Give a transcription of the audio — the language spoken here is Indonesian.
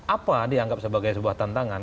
apa dianggap sebagai sebuah tantangan